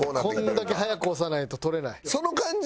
こんだけ早く押さないと取れない。